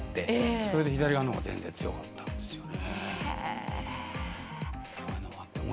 それで左側のほうが強かったんですよね。